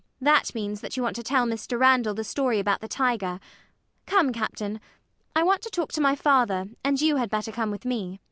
That means that you want to tell Mr Randall the story about the tiger. Come, Captain: I want to talk to my father; and you had better come with me.